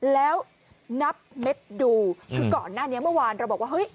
แล้วนับเม็ดดูคือก่อนหน้านี้เมื่อวานเราบอกว่าเฮ้ย